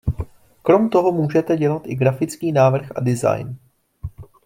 Krom toho můžete dělat i grafický návrh a design.